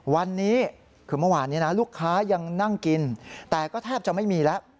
วันนี้คือเมื่อวานนี้นะลูกค้ายังนั่งกินแต่ก็แทบจะไม่มีแล้ว